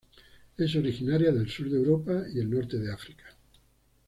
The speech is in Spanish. Es originaria del Sur de Europa y el Norte de África.